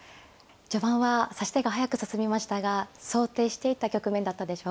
序盤は指し手が速く進みましたが想定していた局面だったでしょうか。